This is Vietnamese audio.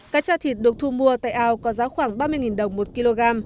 cá tra thịt được thu mua tại ao có giá khoảng ba mươi đồng một kg